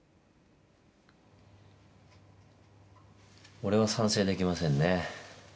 俺は賛成できませんね。